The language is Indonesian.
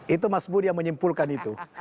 itu mas budi yang menyimpulkan itu